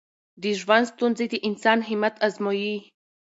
د ژوند ستونزې د انسان همت ازمويي.